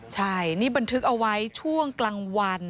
ใช่นี่บันทึกเอาไว้ช่วงกลางวัน